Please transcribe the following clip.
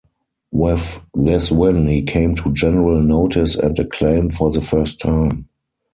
With this win, he came to general notice and acclaim for the first time.